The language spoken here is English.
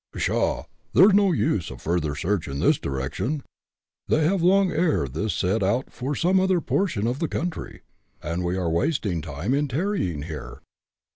"Pshaw! there's no use of further search in this direction; they have long ere this set out for some other portion of the country, and we are wasting time in tarrying here."